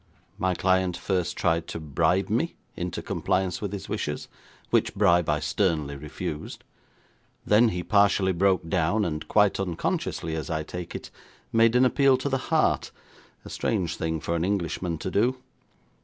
My client first tried to bribe me into compliance with his wishes, which bribe I sternly refused. Then he partially broke down and, quite unconsciously as I take it, made an appeal to the heart a strange thing for an Englishman to do.